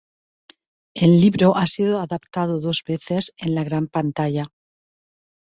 El libro ha sido adaptado dos veces en la gran pantalla.